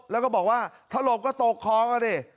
แล้วก็บอกว่าถ้าลบก็ตกคล้องอะเนี่ย